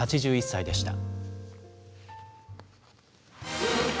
８１歳でした。